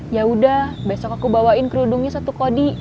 yaudah besok aku bawain kerudungnya satu kodi